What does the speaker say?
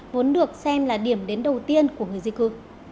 vốn được xem là điểm đến đầu tiên của người di cư